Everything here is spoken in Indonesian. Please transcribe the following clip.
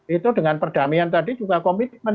itu dengan perdamaian tadi juga komitmen